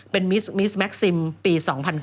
เป็นมิสแก๊กซิมปี๒๐๐๙